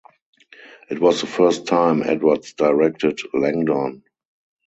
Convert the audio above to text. It was the first time Edwards directed Langdon.